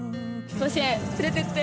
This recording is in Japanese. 甲子園連れていって。